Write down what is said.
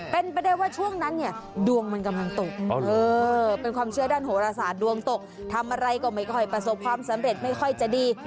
เป็นไปได้ว่าช่วงนั้นเนี่ยดวงมันกำลังตกเป็นความเชื่อด้านโหรศาสตร์ดวงตกทำอะไรก็ไม่ค่อยประสบความสำเร็จไม่ค่อยจะดี